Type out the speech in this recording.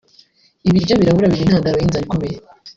ibiryo birabura biba intandaro y’inzara ikomeye